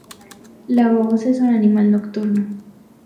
La babosa es un animal nocturno.